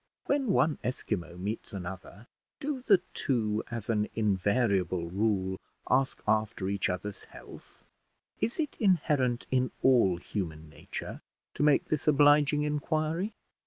When one Esquimau meets another, do the two, as an invariable rule, ask after each other's health? is it inherent in all human nature to make this obliging inquiry?